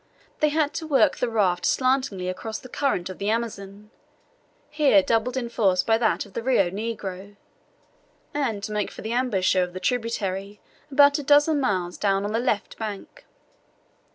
They had to work the raft slantingly across the current of the Amazon, here doubled in force by that of the Rio Negro, and to make for the embouchure of the tributary about a dozen miles down on the left bank.